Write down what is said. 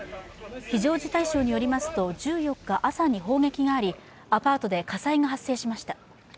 非常事態省によりますと１４日朝に砲撃がありアパートで火災が発生しました。